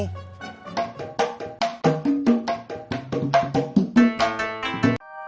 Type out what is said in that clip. tidak tapi sekarang